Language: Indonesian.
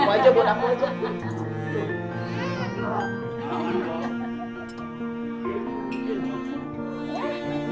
buat aku aja buat aku aja